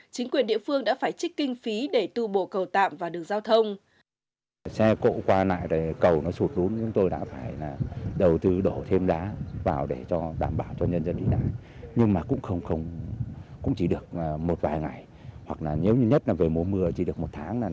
chính quyền địa phương đã phải trích kinh phí để tu bổ cầu tạm và đường giao thông